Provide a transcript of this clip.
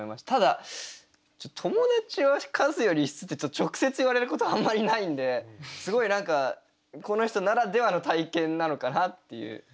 ただ「友達は数より質」って直接言われることはあんまりないんですごい何かこの人ならではの体験なのかなっていう。